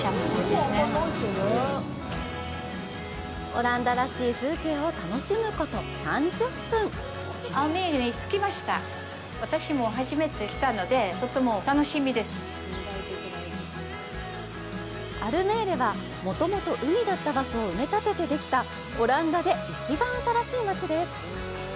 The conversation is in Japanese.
オランダらしい風景を楽しむこと３０分アルメーレは、もともと海だった場所を埋め立ててできたオランダで一番新しい街です。